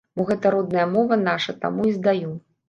Бо гэта родная мова наша, таму і здаю.